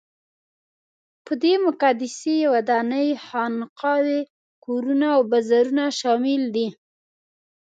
په دې کې مقدسې ودانۍ، خانقاوې، کورونه او بازارونه شامل دي.